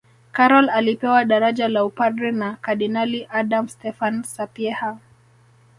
Karol alipewa daraja la upadre na kardinali adam stefan sapieha